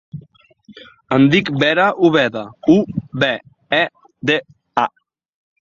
Em dic Vera Ubeda: u, be, e, de, a.